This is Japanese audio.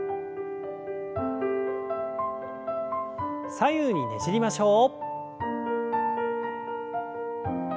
左右にねじりましょう。